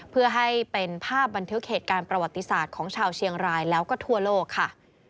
เพื่อให้เป็นภาพบันทึกเหตุการณ์ประวัติศาสตร์ของชาวเชียงรายแล้วก็ทั่วโลกค่ะ